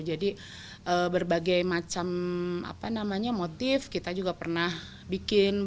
jadi berbagai macam apa namanya motif kita juga pernah bikin batik yang motifnya angklung gitu